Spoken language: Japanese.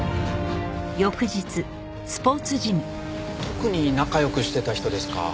特に仲良くしてた人ですか？